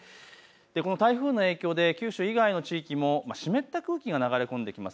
この台風の影響で九州以外の地域も湿った空気が流れ込んでいます。